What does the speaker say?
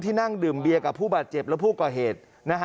นั่งดื่มเบียร์กับผู้บาดเจ็บและผู้ก่อเหตุ